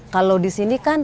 kalau di sini kan